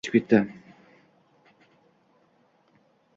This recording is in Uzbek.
U esa uydan qochib ketdi